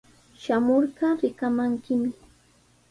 Shamurqa rikamankimi.